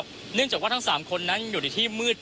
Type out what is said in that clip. คุณทัศนาควดทองเลยค่ะ